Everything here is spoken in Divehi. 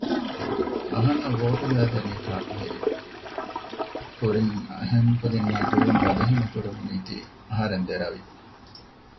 އަހަންނަށް ވޯޓް ލައިދޭނީ ކާކުހެއްޔެވެ؟ ކުރިން އެހެން ކުދިންނާ ގުޅުން ބަދަހި ނުކުރެވުނީތީ އަހަރެން ދެރަވި